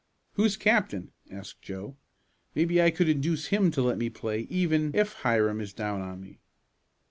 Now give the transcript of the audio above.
"Who's captain?" asked Joe. "Maybe I could induce him to let me play even if Hiram is down on me."